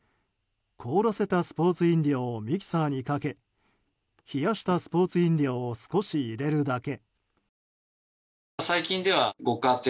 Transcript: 凍らせたスポーツ飲料をミキサーにかけ冷やしたスポーツ飲料を少し入れるだけ。